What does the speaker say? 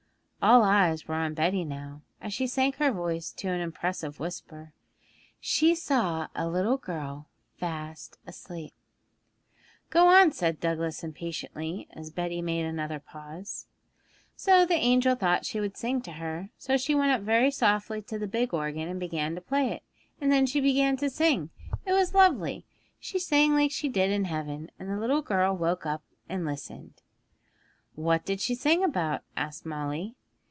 All eyes were on Betty now, as she sank her voice to an impressive whisper. 'She saw a little girl fast asleep!' 'Go on,' said Douglas impatiently, as Betty made another pause. 'So the angel thought she would sing to her; so she went up very softly to the big organ, and began to play it, and then she began to sing. It was lovely. She sang like she did in heaven, and the little girl woke up and listened.' 'What did she sing about?' asked Molly.